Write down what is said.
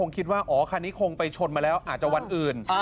คิดว่าอ๋อคันนี้คงไปชนมาแล้วอาจจะวันอื่น